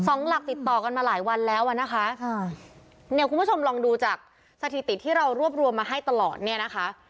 หลักติดต่อกันมาหลายวันแล้วอ่ะนะคะค่ะเนี่ยคุณผู้ชมลองดูจากสถิติที่เรารวบรวมมาให้ตลอดเนี่ยนะคะ